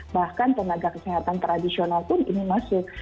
bahkan tenaga kesehatan tradisional pun ini masuk